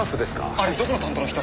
あれどこの担当の人？